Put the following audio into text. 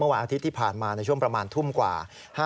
วันอาทิตย์ที่ผ่านมาในช่วงประมาณทุ่มกว่า